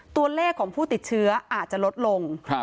ตัวเลขของผู้ติดเชื้ออาจจะลดลง